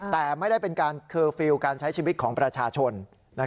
แต่ไม่ได้เป็นการเคอร์ฟิลล์การใช้ชีวิตของประชาชน